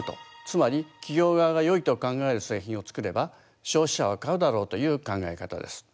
つまり企業側が良いと考える製品を作れば消費者は買うだろうという考え方です。